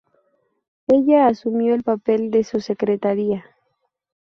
Ella asumió el papel de su secretaria.